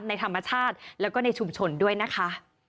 ในธรรมชาติแล้วก็ในชุมชนด้วยนะคะ